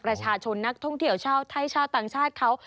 ประชาชนนักท่องเที่ยวชาวไทยชาวต่างชาติเขา